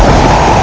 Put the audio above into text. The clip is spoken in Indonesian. itu udah gila